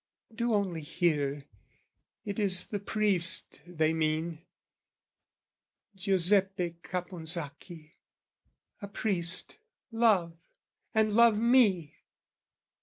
Do only hear, it is the priest they mean, Giuseppe Caponsacchi: a priest love, And love me!